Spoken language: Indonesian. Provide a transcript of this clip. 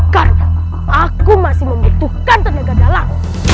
karena aku masih membutuhkan tenaga dalam